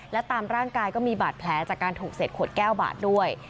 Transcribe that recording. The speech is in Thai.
และตามร่างกายก็มีบาดแผลจากการถูกเศษขวดแก้วบาดด้วย